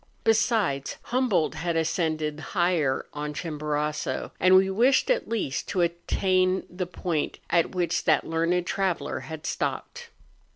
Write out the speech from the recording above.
Besides, Humboldt had ascended higher on Chimborazo; and we wished at least to attain the point at which that learned traveller had stopped.